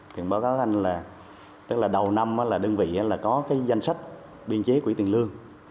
thì báo cáo cho anh là đầu năm đơn vị có danh sách biên chế quỹ tiền lương